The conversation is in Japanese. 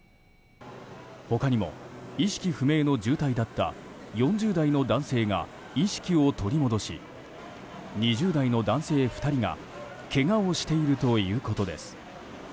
他にも、意識不明の重体だった４０代の男性が意識を取り戻し２０代の男性２人がけがをしているということです。